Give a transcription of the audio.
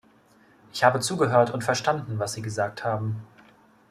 Ich habe zugehört und verstanden, was Sie gesagt haben.